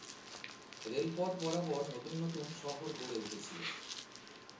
রেলপথ বরাবর নতুন নতুন শহর গড়ে উঠেছিল।